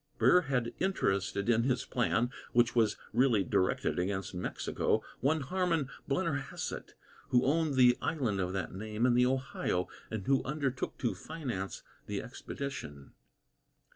Burr had interested in his plan which was really directed against Mexico one Harmon Blennerhassett, who owned the island of that name in the Ohio, and who undertook to finance the expedition.